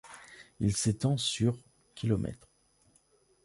Il s'étend sur km.